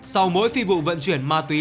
sau mỗi phi vụ vận chuyển ma túy